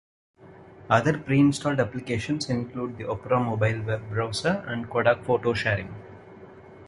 Other pre-installed applications include the Opera Mobile web browser and Kodak Photo Sharing.